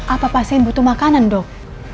apa pasien butuh makanan dok